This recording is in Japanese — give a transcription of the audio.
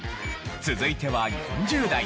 続いては４０代。